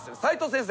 先生。